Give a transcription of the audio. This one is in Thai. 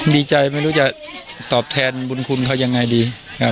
ดีใจไม่รู้จะตอบแทนบุญคุณเขายังไงดี